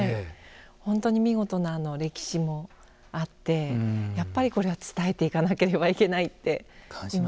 本当に見事な歴史もあってやっぱりこれは伝えていかなければいけないって。